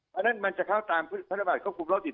เพราะฉะนั้นมันจะเข้าตามพระบาทควบคุมโรคติดต่อ